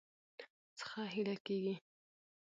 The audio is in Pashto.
څخه هيله کيږي